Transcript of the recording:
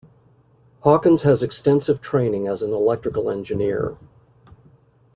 Hawkins has extensive training as an electrical engineer.